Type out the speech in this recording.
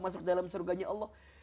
masuk dalam surganya allah